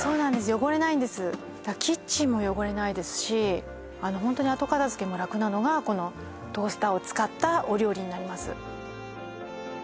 汚れないんですキッチンも汚れないですしホントに後片付けも楽なのがこのトースターを使ったお料理になります